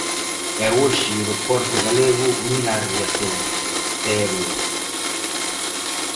E hoxe o deporte galego mira a Riazor, Terio.